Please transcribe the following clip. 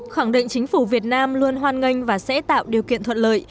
khẳng định chính phủ việt nam luôn hoan nghênh và sẽ tạo điều kiện thuận lợi